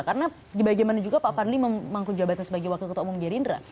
karena bagaimana juga pak fadli memangku jabatan sebagai wakil ketua umum gerindra